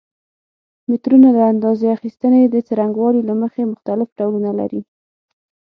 مترونه د اندازه اخیستنې د څرنګوالي له مخې مختلف ډولونه لري.